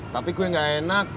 tapi gue enggak enak